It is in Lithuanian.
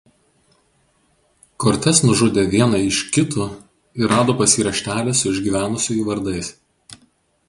Kortes nužudė vieną iš Kitų ir rado pas jį raštelį su išgyvenusiųjų vardais.